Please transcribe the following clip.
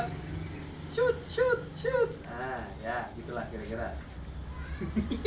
nah ya itulah kira kira